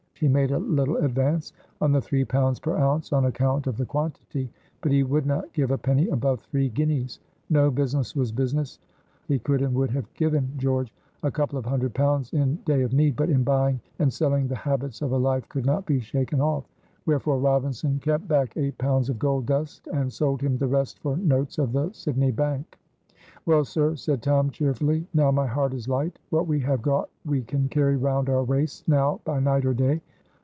He made a little advance on the three pounds per ounce on account of the quantity, but he would not give a penny above three guineas. No! business was business; he could and would have given George a couple of hundred pounds in day of need, but in buying and selling the habits of a life could not be shaken off. Wherefore Robinson kept back eight pounds of gold dust and sold him the rest for notes of the Sydney Bank. "Well, sir," said Tom, cheerfully, "now my heart is light; what we have got we can carry round our waists now by night or day.